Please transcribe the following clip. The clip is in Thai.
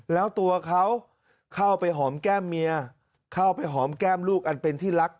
แล้วตัวเขาเข้าไปหอมแก้มเมียเข้าไปหอมแก้มลูกอันเป็นที่รัก